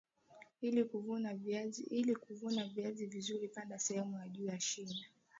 ili kuvuna viazi vizuri panda sehemu ya juu ya shina